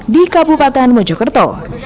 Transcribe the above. di kabupaten mojokerto